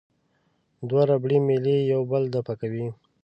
دوه ربړي میلې یو بل دفع کوي.